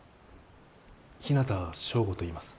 日向祥吾といいます